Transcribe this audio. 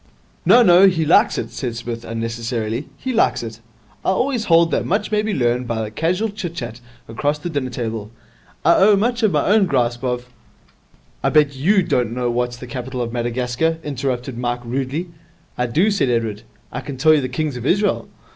'No, no, he likes it,' said Psmith, unnecessarily. 'He likes it. I always hold that much may be learned by casual chit chat across the dinner table. I owe much of my own grasp of ' 'I bet you don't know what's the capital of Madagascar,' interrupted Mike rudely. 'I do,' said Edward. 'I can tell you the kings of Israel?'